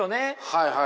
はいはい。